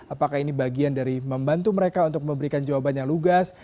apakah ini bagian dari membantu mereka untuk memberikan jawaban yang lugas